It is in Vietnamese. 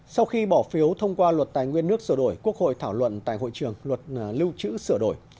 sau khi bỏ phiếu thông qua luật tài nguyên nước sửa đổi quốc hội thảo luận tại hội trường luật lưu trữ sửa đổi